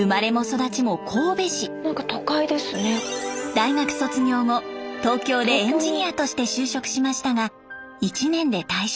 大学卒業後東京でエンジニアとして就職しましたが１年で退職。